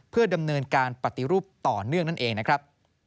เพื่อดำเนินการปฏิรูปต่อเนื่องนั่นเองนะครับ